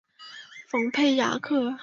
蓬佩雅克。